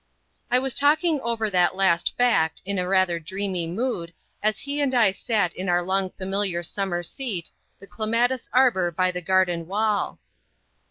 I was talking over that last fact, in a rather dreamy mood, as he and I sat in our long familiar summer seat, the clematis arbour by the garden wall.